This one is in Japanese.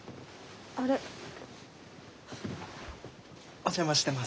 お邪魔してます。